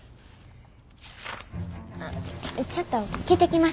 ちょっと聞いてきます。